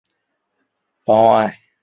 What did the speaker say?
邦奥埃。